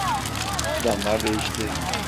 Planlar değişti.